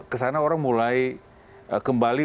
kesana orang mulai kembali